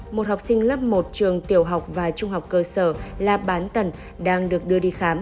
một học sinh lớp một trường tiểu học và trung học cơ sở là bán tần đang được đưa đi khám